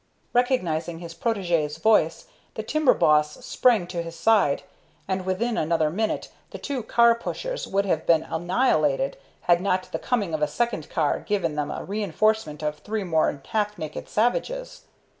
Recognizing his protégé's voice, the timber boss sprang to his side, and within another minute the two car pushers would have been annihilated had not the coming of a second car given them a reinforcement of three more half naked savages.